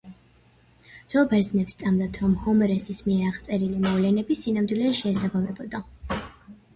ძველ ბერძნებს სწამდათ, რომ ჰომეროსის მიერ აღწერილი მოვლენები სინამდვილეს შეესაბამებოდა.